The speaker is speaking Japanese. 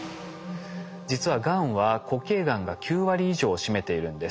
実はがんは固形がんが９割以上を占めているんです。